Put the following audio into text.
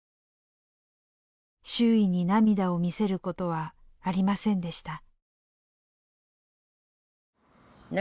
周囲に涙を見せることはありませんでした。